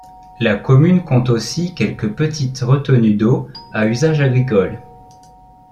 La commune compte aussi quelques petites retenues d'eau à usage agricole.